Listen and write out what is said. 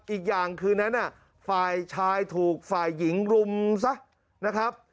อีกอย่างคืนนั้นฝ่ายชายถูกฝ่ายหญิงรุมซะนะครับ